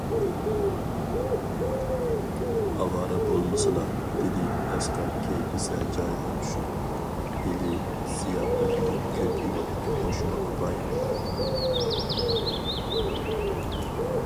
- ئاۋارە بولمىسىلا، دېدى ئەسقەر كەيپى سەل جايىغا چۈشۈپ، ھېلى زىياپەتنى كۆپ يېدۇق، مۇشۇمۇ كۇپايە.